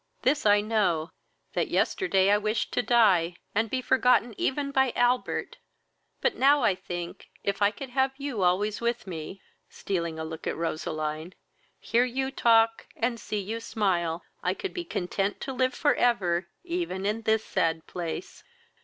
This I know, that yesterday I washed to die, and be forgotten even by Albert; but now I think, if I could have you always with me, (stealing a look at Roseline,) hear you talk, and see you smile, I could be content to live for ever, even in this sad place.